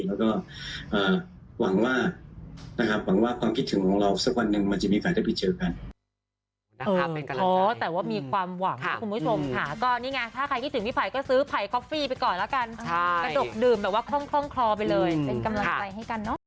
แล้วก็หวังว่าความคิดถึงของเราสักวันหนึ่งมันจะมีความที่จะเจอกัน